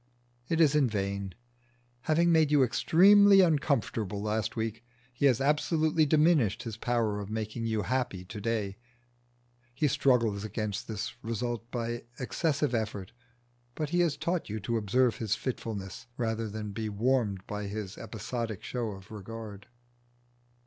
It is in vain. Having made you extremely uncomfortable last week he has absolutely diminished his power of making you happy to day: he struggles against this result by excessive effort, but he has taught you to observe his fitfulness rather than to be warmed by his episodic show of regard.